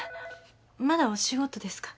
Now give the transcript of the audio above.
まだお仕事ですか？